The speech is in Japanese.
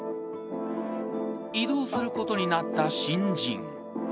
［異動することになった新人］